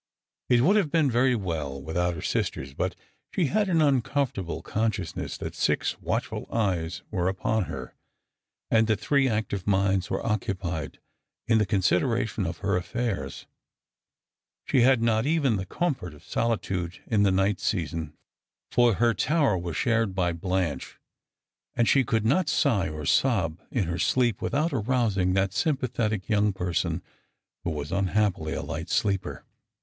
It would have been very well without her sisters; but she had an uncomfortable consciousness that six watchful eyes were upon her, and that three active minds were occui)ied in the consideration of her affairs. She had not even the comfort of solitude in the night season, for her tower was shared by Blanche, and she could not sigh or sob in her sleep without arousing that sympathetic young person, who was unhappily a light sleeper.